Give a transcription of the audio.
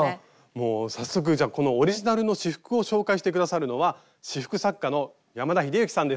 もう早速じゃあこのオリジナルの仕覆を紹介して下さるのは仕覆作家の山田英幸さんです。